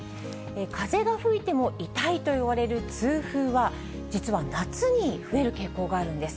風が吹いても痛いといわれる痛風は、実は夏に増える傾向があるんです。